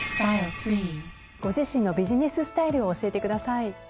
ご自身のビジネススタイルを教えてください。